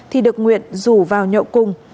thì được nguyễn rủ vào nhậu cùng